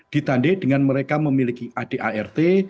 ditandai dengan mereka memiliki adart